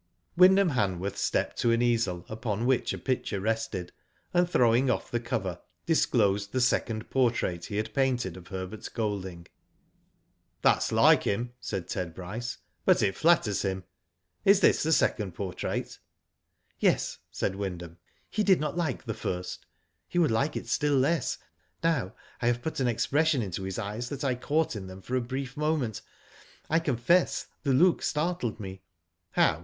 Wyndham Han worth stepped to an easel upon which a picture rested, and throwing off the cover, disclosed the second portrait he had painted of Herbert Golding. "That's like him," said Ted Bryce; "but it flatters him. Is this the second portrait?" "Yes," said Wyndham. "He did not like the first. He would like it still less now I have put an expression into his eyes that I caught in them for a brief moment. I confess the look startled me." " How